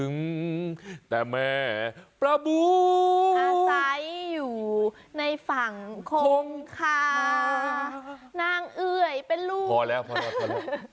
ค่านางเอ่ยเป็นลูกพอแล้วพอแล้วพอแล้ว